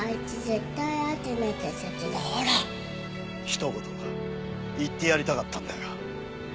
一言言ってやりたかったんだよ。